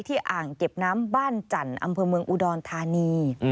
อ่างเก็บน้ำบ้านจันทร์อำเภอเมืองอุดรธานี